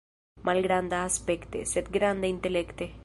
Malgranda aspekte, sed granda intelekte.